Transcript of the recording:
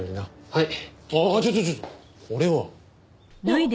はい。